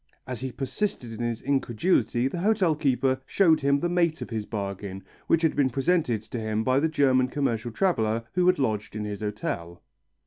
As he persisted in his incredulity, the hotel keeper showed him the mate of his bargain, which had been presented to him by the German commercial traveller who had lodged in his hotel.